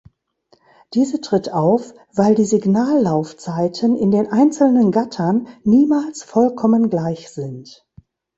Diese tritt auf, weil die Signallaufzeiten in den einzelnen Gattern niemals vollkommen gleich sind.